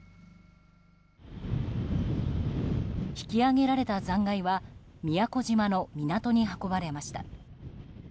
引き揚げられた残骸は宮古島の港に運ばれました。